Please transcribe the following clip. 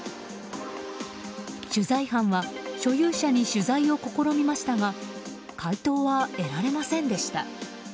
取材班は所有者に取材を試みましたが回答は得られませんでした。